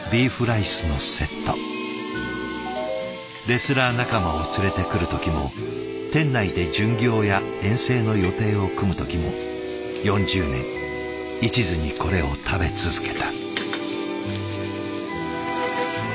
レスラー仲間を連れてくる時も店内で巡業や遠征の予定を組む時も４０年いちずにこれを食べ続けた。